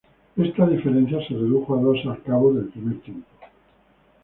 Esa diferencia se redujo a dos al cabo del primer tiempo.